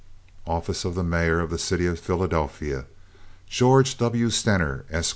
OFFICE OF THE MAYOR OF THE CITY OF PHILADELPHIA GEORGE W. STENER, ESQ.